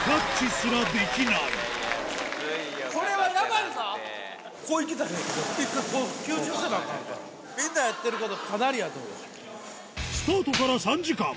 さらにスタートから３時間